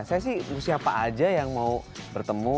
saya sih siapa aja yang mau bertemu